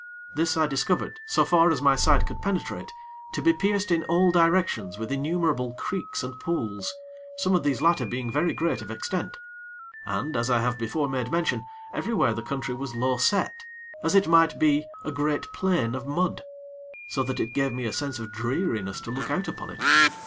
This I discovered, so far as my sight could penetrate, to be pierced in all directions with innumerable creeks and pools, some of these latter being very great of extent; and, as I have before made mention, everywhere the country was low set as it might be a great plain of mud; so that it gave me a sense of dreariness to look out upon it.